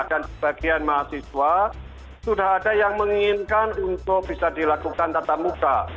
dan sebagian mahasiswa sudah ada yang menginginkan untuk bisa dilakukan tatap muka